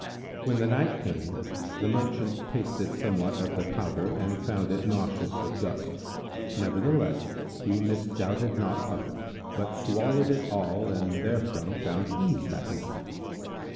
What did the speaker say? When the night came, the Merchant tasted somewhat of the powder and found it nauseous of gust; nevertheless he misdoubted not of it, but swallowed it all and therefrom found ease that night.